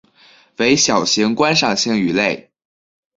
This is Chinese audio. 为小型观赏性鱼类。